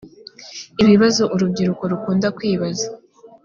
ibibazo urubyiruko rukunda kwibaza